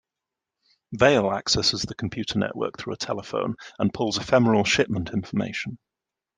Vale accesses the computer network through a telephone and pulls ephemerol shipment information.